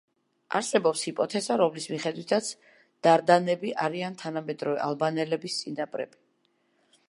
არსებობს ჰიპოთეზა, რომლის მიხედვითაც დარდანები არიან თანამედროვე ალბანელების წინაპრები.